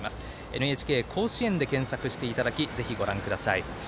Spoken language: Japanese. ＮＨＫ甲子園で検索していただきぜひご覧ください。